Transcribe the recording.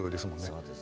そうですね。